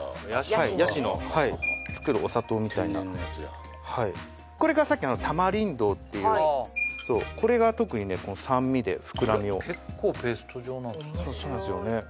ヤシの作るお砂糖みたいな天然のやつやこれがさっきのタマリンドっていうそうこれが特にね酸味で膨らみを結構ペースト状なんですね